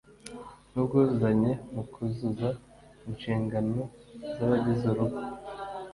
n’ubwuzuzanye mu kuzuza inshingano z’abagize urugo